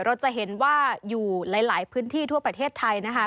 เราจะเห็นว่าอยู่หลายพื้นที่ทั่วประเทศไทยนะคะ